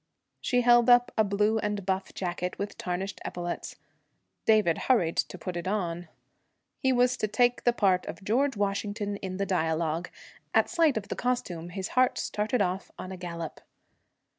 She held up a blue and buff jacket with tarnished epaulets. David hurried to put it on. He was to take the part of George Washington in the dialogue. At sight of the costume, his heart started off on a gallop.